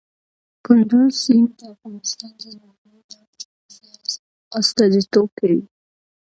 کندز سیند د افغانستان د ځانګړي ډول جغرافیه استازیتوب کوي.